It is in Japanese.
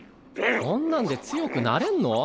こんなんで強くなれんの？